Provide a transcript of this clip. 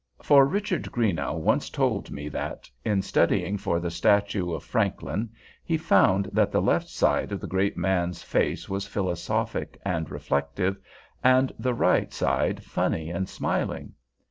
For Richard Greenough once told me that, in studying for the statue of Franklin, he found that the left side of the great man's face was philosophic and reflective, and the right side funny and smiling.